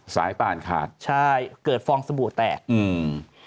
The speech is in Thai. ป่านขาดใช่เกิดฟองสบู่แตกอืม